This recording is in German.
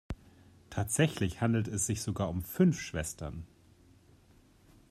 Tatsächlich handelte es sich sogar um fünf Schwestern.